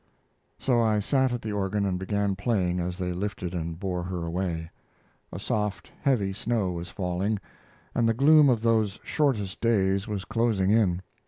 So I sat at the organ and began playing as they lifted and bore her away. A soft, heavy snow was falling, and the gloom of those shortest days was closing in.